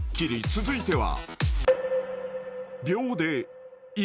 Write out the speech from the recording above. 続いては］